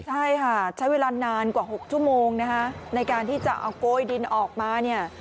ใช่ค่ะใช้เวลานานกว่า๖ชั่วโมงนะคะในการที่จะเอาโกยดินออกมาเนี่ย